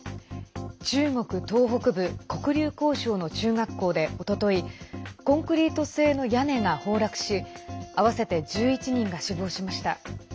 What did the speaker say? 中国東北部黒竜江省の中学校で、おとといコンクリート製の屋根が崩落し合わせて１１人が死亡しました。